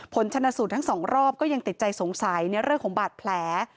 ผลชนสูตรทั้งสองรอบก็ยังติดใจสงสัยในเรื่องของบาดแผล